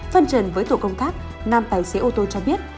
phân trần với tổ công tác nam tài xế ô tô cho biết